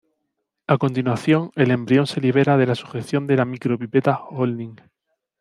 A continuación, el embrión se libera de la sujeción de la micro-pipeta holding.